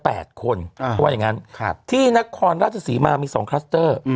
เพราะว่าอย่างนั้นที่นครราชศรีมามี๒คลัสเตอร์